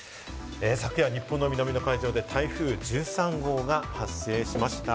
昨夜、日本の南の海上で台風１３号が発生しました。